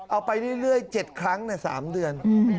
เอาไปเรื่อย๗ครั้ง๓เดือน